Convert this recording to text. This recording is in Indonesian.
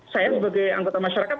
saya sebagai anggota masyarakat